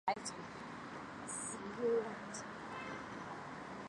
清河道署的历史年代为清代。